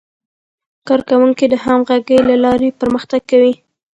کارکوونکي د همغږۍ له لارې پرمختګ کوي